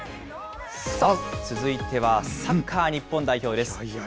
続いてはサッカー日本代表です。